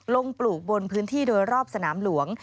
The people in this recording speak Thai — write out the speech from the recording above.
ปลูกบนพื้นที่โดยรอบสนามหลวง